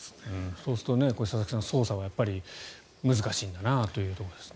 そうすると佐々木さん、捜査は難しいんだというところですね。